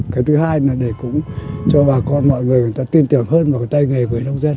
cái thứ hai là để cũng cho bà con mọi người người ta tin tưởng hơn vào cái tay nghề với lông dân